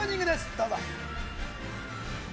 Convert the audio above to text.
どうぞ。